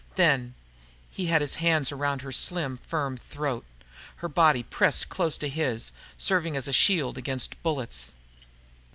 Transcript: Then he had his hands around her slim, firm throat, her body pressed close to his, serving as a shield against bullets.